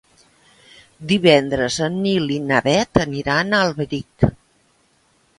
Divendres en Nil i na Bet aniran a Alberic.